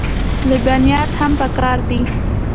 لبنیات هم پکار دي.